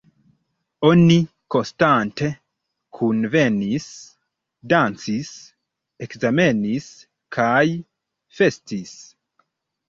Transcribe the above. Oni konstante kunvenis, dancis, ekzamenis kaj festis.